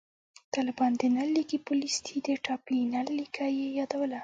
طالبان د نل لیکي پولیس دي، د ټاپي نل لیکه یې یادوله